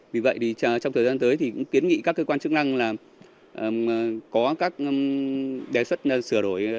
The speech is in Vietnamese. vì vậy thì trong thời gian tới thì cũng kiến nghị các cơ quan chức năng là có các đề xuất sửa đổi